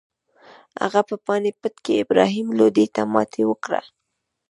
هغه په پاني پت کې ابراهیم لودي ته ماتې ورکړه.